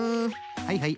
はいはい。